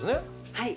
はい。